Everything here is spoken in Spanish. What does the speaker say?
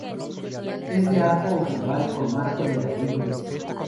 Es de arco ojival con marco de ladrillo visto.